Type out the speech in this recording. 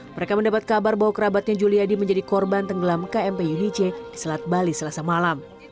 mereka mendapat kabar bahwa kerabatnya juliadi menjadi korban tenggelam kmp yunice di selat bali selasa malam